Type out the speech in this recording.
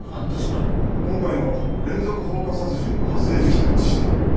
今回の連続放火殺人の発生時期と一致している。